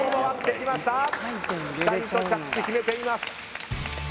ぴたりと着地決めています。